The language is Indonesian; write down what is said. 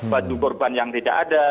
baju korban yang tidak ada